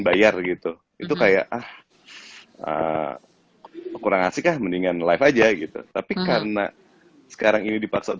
bayar gitu itu kayak ah kurang asik ah mendingan live aja gitu tapi karena sekarang ini dipaksa